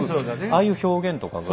ああいう表現とかが。